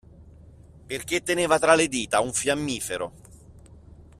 Perché teneva tra le dita un fiammifero